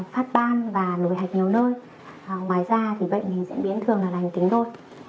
phát ban và nổi hạch nhiều nơi ngoài ra bệnh diễn biến thường là lành tính đôi